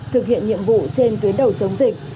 thực hiện nhiệm vụ trên tuyến đầu chống dịch